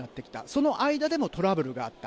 その間でもトラブルがあった。